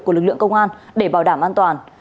của lực lượng công an để bảo đảm an toàn